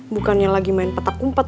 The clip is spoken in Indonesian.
bukannya lagi main petak umpet